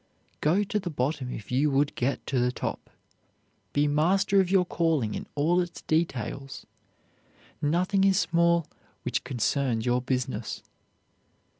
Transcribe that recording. Go to the bottom if you would get to the top. Be master of your calling in all its details. Nothing is small which concerns your business.